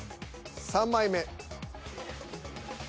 ３枚目。